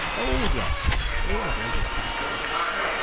fl Lord, yes ! We have regular customers.